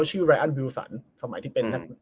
ใช่ใช่